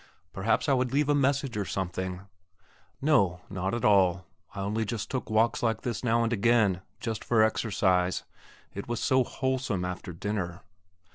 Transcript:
Perhaps I would leave a message or something? No, not at all; I only just took walks like this now and again, just for exercise; it was so wholesome after dinner....